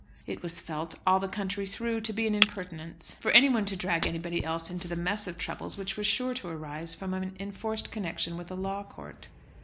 It was felt, all the country through, to be an impertinence, for anybody to drag anybody else into the mess of troubles which was sure to arise from an enforced connection with a law court.